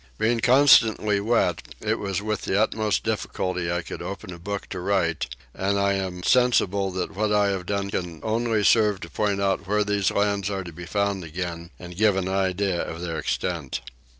Being constantly wet it was with the utmost difficulty I could open a book to write, and I am sensible that what I have done can only serve to point out where these lands are to be found again, and give an idea of their extent.